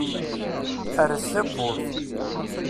Rret tawwurt.